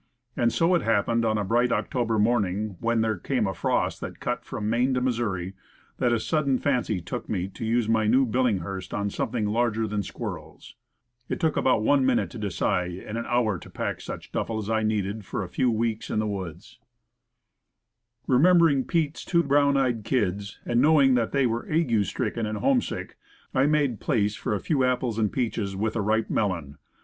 And so it happened, on a bright October morning, when there came a frost that cut from Maine to Missouri, that a sudden fancy took me to use my new Billinghurst on some thing larger than squirrels. It took about one min At Pete Williams 's. 115 ute to decide, and an hour to pack such duffle as I needed for a few weeks in the woods. Remembering Pete's two brown eyed "kids," and knowing that they were ague stricken and homesick, I made place for a few apples and peaches, with a ripe melon.